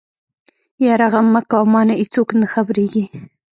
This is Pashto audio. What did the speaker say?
يره غم مکوه مانه ايڅوک نه خبرېږي.